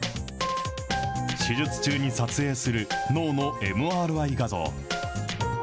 手術中に撮影する脳のＭＲＩ画像。